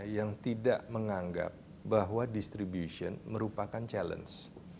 yang tidak menganggap bahwa distribution merupakan challenge